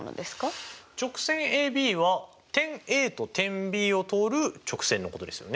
直線ＡＢは点Ａと点Ｂを通る直線のことですよね。